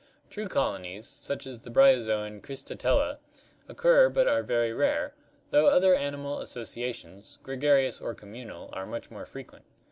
True col onies, such as the bryozoan Cristatella, occur but are very rare, though other animal associations, gregarious or communal, are much more frequent.